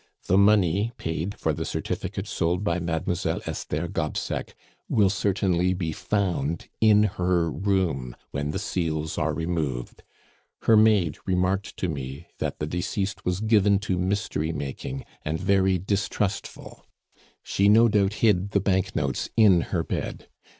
The money paid for the certificate sold by Mademoiselle Esther Gobseck will certainly be found in her room when the seals are removed. Her maid remarked to me that the deceased was given to mystery making, and very distrustful; she no doubt hid the banknotes in her bed.